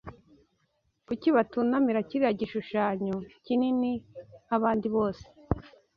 Kuki batunamira kiriya gishushanyo kinini nk’abandi bose